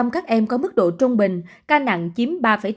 hai mươi tám bảy các em có mức độ trung bình ca nặng chiếm ba bốn